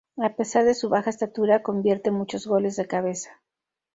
A pesar de su baja estatura, convierte muchos goles de cabeza.